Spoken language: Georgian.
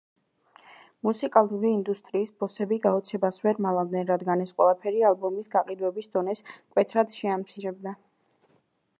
მუსიკალური ინდუსტრიის ბოსები გაოცებას ვერ მალავდნენ, რადგან ეს ყველაფერი ალბომის გაყიდვების დონეს მკვეთრად შეამცირებდა.